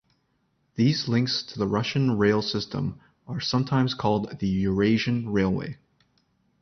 These links to the Russian rail system are sometimes called the Eurasian Railway.